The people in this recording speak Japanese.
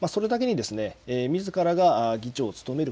それだけに、みずからが議長を務める